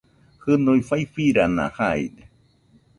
Jɨnui faifirana jaide